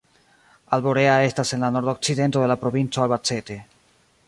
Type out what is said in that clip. Alborea estas en la nordokcidento de la provinco Albacete.